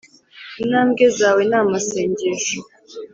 intambwe zawe ni amasengesho